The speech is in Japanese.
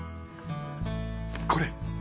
これ。